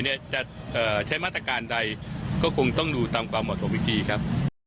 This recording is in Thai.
จะใช้มาตรการใดก็คงต้องดูตามความเหมาะสมอีกทีครับ